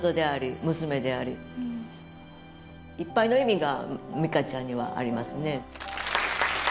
いっぱいの意味が美嘉ちゃんにはありますね。